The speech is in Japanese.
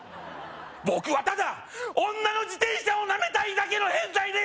僕はただ女の自転車をなめたいだけの変態です